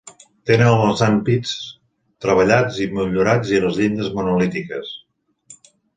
Tenen els ampits treballats i motllurats i les llindes monolítiques.